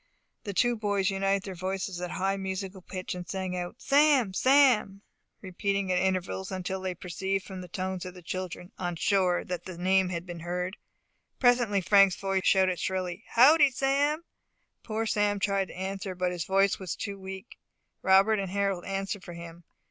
The two boys united their voices at a high musical pitch, and sung out, "Sam! Sam!" repeating it at intervals until they perceived from the tones of the children on shore that the name had been heard. Presently Frank's voice shouted shrilly, "Howdy, Sam?" Poor Sam tried to answer, but his voice was too weak. Robert and Harold answered for him.